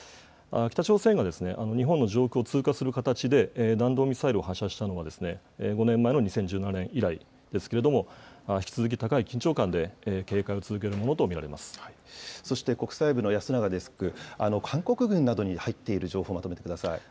北朝鮮が日本の上空を通過する形で弾道ミサイルを発射したのは５年前の２０１７年以来ですけれども、引き続き高い緊張感で警戒をそして国際部の安永デスク、韓国軍などに入っている情報をまとめてください。